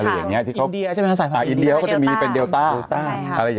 อินเดียเขาก็จะมีเป็นเดลต้า